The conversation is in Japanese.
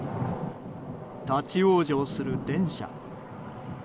立ち往生する電車。